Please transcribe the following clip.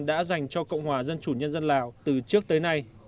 đã dành cho cộng hòa dân chủ nhân dân lào từ trước tới nay